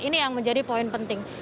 ini yang menjadi poin penting